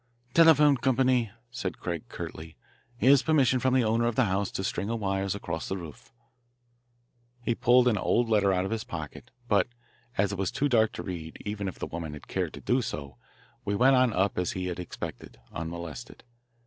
"Telephone company," said Craig curtly. "Here's permission from the owner of the house to string wires across the roof." He pulled an old letter out of his pocket, but as it was too dark to read even if the woman had cared to do so, we went on up as he had expected, unmolested.